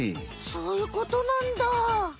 そういうことなんだ！